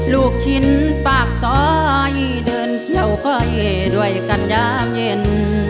ลูกชิ้นปากซอยเดินเที่ยวค่อยด้วยกันยามเย็น